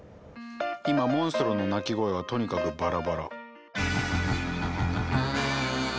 今モンストロの鳴き声はとにかくバラバラ。